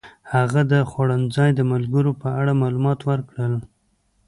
هغه د خوړنځای د ملګرو په اړه معلومات ورکړل.